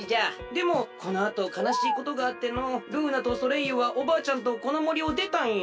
でもこのあとかなしいことがあってのうルーナとソレイユはおばあちゃんとこのもりをでたんよ。